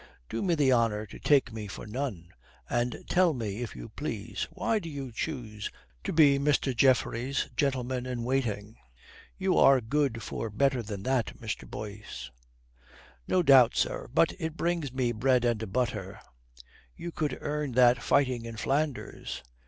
Do me the honour to take me for none. And tell me, if you please, why do you choose to be Master Geoffrey's gentleman in waiting? You are good for better than that, Mr. Boyce." "No doubt, sir. But it brings me bread and butter." "You could earn that fighting in Flanders."